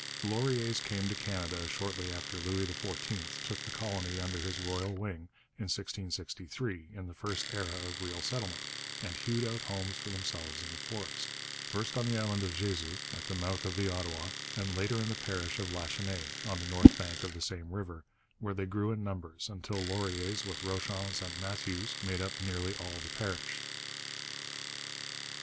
The Lauriers came to Canada shortly after Louis XIV took the colony under his royal wing in 1663, in the first era of real settlement, and hewed out homes for themselves in the forest, first on the island of Jesus, at the mouth of the Ottawa, and later in the parish of Lachenaie, on the north bank of the same river, where they grew in numbers until Lauriers, with Rochons and Matthieus, made up nearly all the parish.